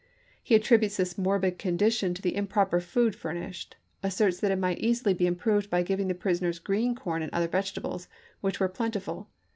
He attributes this morbid condition to the improper food fur nished; asserts that it might easily be improved by giving the prisoners green corn and other vege tables, which were plentiful.